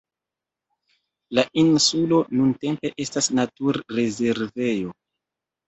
La insulo nuntempe estas naturrezervejo.